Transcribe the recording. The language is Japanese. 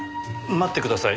待ってください。